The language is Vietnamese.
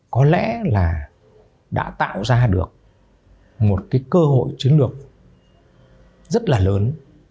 có lẽ là đã tạo ra được một cái cơ hội chiến lược rất là lớn